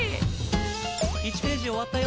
「１ページ終わったよ！